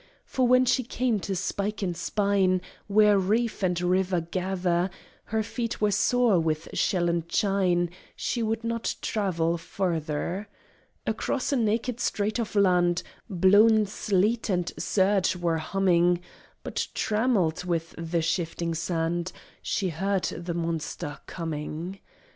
For when she came to spike and spine, Where reef and river gather, Her feet were sore with shell and chine; She could not travel farther. Across a naked strait of land Blown sleet and surge were humming; But trammelled with the shifting sand, She heard the monster coming!